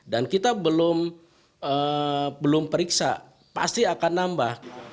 dan kita belum periksa pasti akan nambah